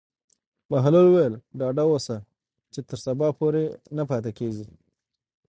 بهلول وویل: ډاډه اوسه چې تر سبا پورې نه پاتې کېږي.